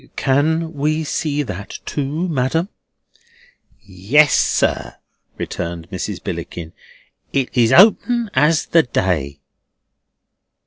"Can we see that too, ma'am?" "Yes, sir," returned Mrs. Billickin, "it is open as the day."